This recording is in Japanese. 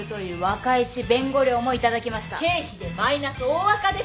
経費でマイナス大赤でしょ。